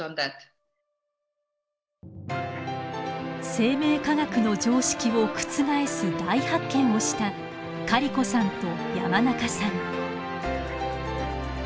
生命科学の常識を覆す大発見をしたカリコさんと山中さん。